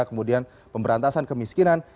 kemudian pemberantasan kemiskinan